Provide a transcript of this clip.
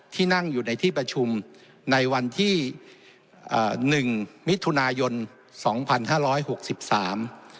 ที่นั่งอยู่ในที่ประชุมในวันที่เอ่อหนึ่งมิถุนายนสองพันห้าร้อยหกสิบสาม